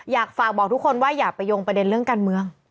อยากฝากบอกทุกคนว่าอย่าไปยงประเด็นเรื่องการเมือง